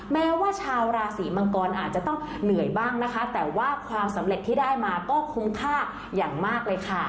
แม้ว่าชาวราศีมังกรอาจจะต้องเหนื่อยบ้างนะคะแต่ว่าความสำเร็จที่ได้มาก็คุ้มค่าอย่างมากเลยค่ะ